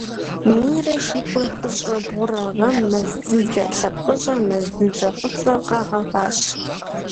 Минрэ щибгъурэ хыщӀрэ бгъурэ гъэм мэз дзыдзэ лъэпкъыщӀэ - мэз дзыдзэ фӀыцӀэ - къагъэхъуащ.